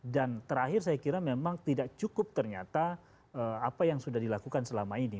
dan terakhir saya kira memang tidak cukup ternyata apa yang sudah dilakukan selama ini